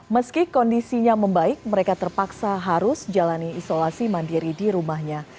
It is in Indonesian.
meski kondisinya membaik mereka terpaksa harus jalani isolasi mandiri di rumahnya